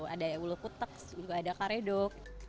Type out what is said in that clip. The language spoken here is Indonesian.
ada ulu kuteks juga ada karedok